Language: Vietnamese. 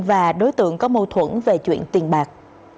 và đối tượng có mâu thuẫn về chuyện tiền bạc